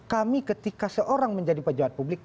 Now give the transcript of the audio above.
kami ketika seorang menjadi pejabat publik